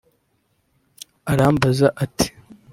… Arambaza ati